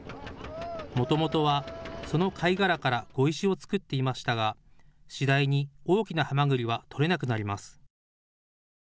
もともとはその貝殻から碁石を作っていましたが次第に大きなハマグリは取れなくなります。